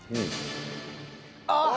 あっ！